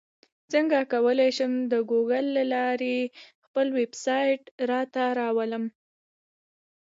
څنګه کولی شم د ګوګل له لارې خپل ویبسایټ راته راولم